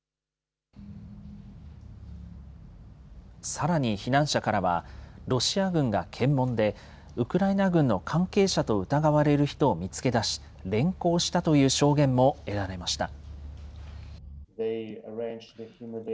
さらに避難者からは、ロシア軍が検問で、ウクライナ軍の関係者と疑われる人を見つけ出し、連行したという証言も得られました。